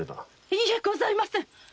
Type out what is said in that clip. いいえございません。